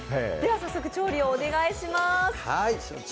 早速調理をお願いします。